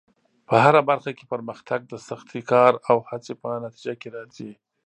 په هره برخه کې پرمختګ د سختې کار او هڅې په نتیجه کې راځي.